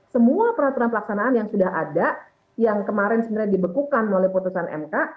semua peraturan pelaksanaan yang sudah ada yang kemarin sebenarnya dibekukan oleh putusan mk